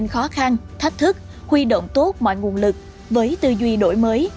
tạo nên khó khăn thách thức huy động tốt mọi nguồn lực với tư duy đổi mới